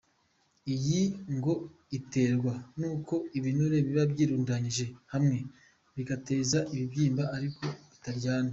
Iyi ngo iterwa n’ uko ibinure biba byirundanyije hamwe bigateza ibibyimba ariko bitaryana .